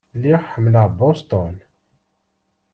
Lliɣ ḥemmleɣ Boston.